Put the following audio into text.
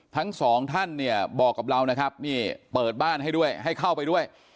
ทั้งสองท่านเนี่ยบอกกับเรานะครับนี่เปิดบ้านให้ด้วยให้เข้าไปด้วย